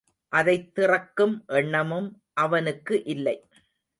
அதைத் திறக்கும் எண்ணமும் அவனுக்கு இல்லை.